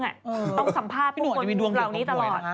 ต้องสัมภาพพี่หนุ่มเหล่านี้ตลอด